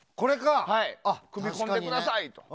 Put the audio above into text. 組み込んでくださいと。